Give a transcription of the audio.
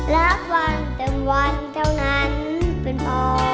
รักวันเต็มวันเท่านั้นเป็นพอ